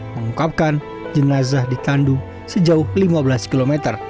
mengungkapkan jenazah ditandu sejauh lima belas km